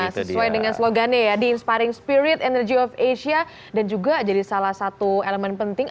sesuai dengan slogannya ya di inspiring spirit energy of asia dan juga jadi salah satu elemen penting